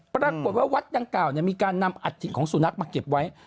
ปรากฏว่าวัดดังกล่าวมีการนำอัฐิของสุนัขมาเก็บไว้